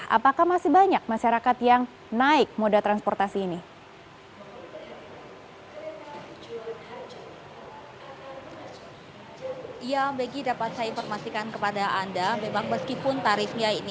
apakah masih banyak masyarakat yang naik moda transportasi ini